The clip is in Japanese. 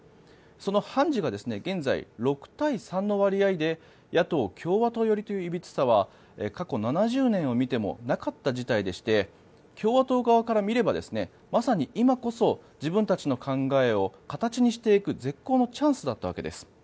その判事が現在、６対３の割合で野党・共和党寄りといういびつさは過去７０年を見てもなかった事態でして共和党側から見ればまさに今こそ自分たちの考えを形にしていく絶好のチャンスだったわけです。